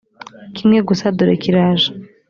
kimwe gusa dore kiraje